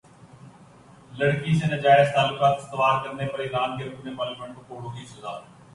لڑکی سے ناجائز تعلقات استوار کرنے پر ایران کے رکن پارلیمنٹ کو کوڑوں کی سزا